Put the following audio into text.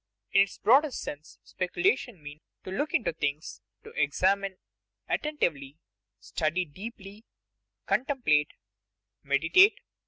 In its broadest sense speculation means to look into things, to examine attentively, study deeply, contemplate, meditate.